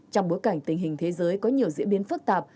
trong bối cảnh tình hình thế giới có nhiều diễn biến phức tạp